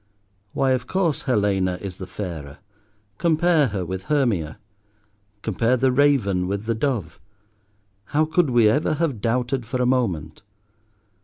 Why of course Helena is the fairer. Compare her with Hermia! Compare the raven with the dove! How could we ever have doubted for a moment?